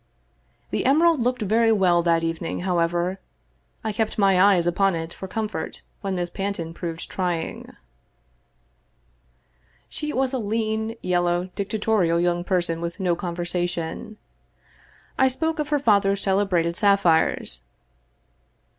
The emerald looked very well that evening, however. I kept my eyes upon it for comfort when Miss Panton proved trying. She was a lean, yellow, dictatorial young person with no conversation. I spoke of her father's celebrated sap phires.